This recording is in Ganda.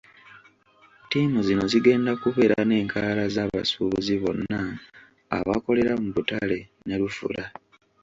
Ttiimu zino zigenda kubeera n'enkalala z'abasuubuzi bonna abakolera mu butale ne Lufula